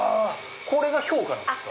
これが氷華なんですか？